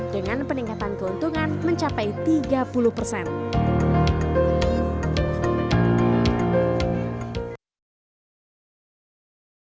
dengan peningkatan keuntungan mencapai tiga puluh persen